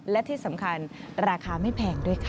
และที่สำคัญราคาไม่แพงด้วยค่ะ